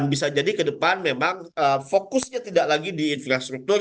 bisa jadi ke depan memang fokusnya tidak lagi di infrastruktur